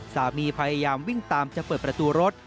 พยายามวิ่งตามจะเปิดประตูรถ